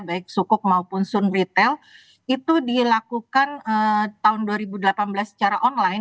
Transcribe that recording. baik sukuk maupun sun retail itu dilakukan tahun dua ribu delapan belas secara online